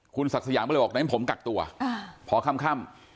คุณศักดิ์สยามก็เลยบอกไหนผมกักตัวอ่าพอค่ำค่ำ